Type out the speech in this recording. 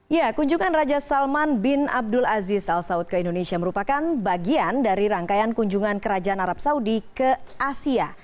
ya kunjungan raja salman bin abdul aziz al saud ke indonesia merupakan bagian dari rangkaian kunjungan kerajaan arab saudi ke asia